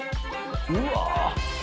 うわ。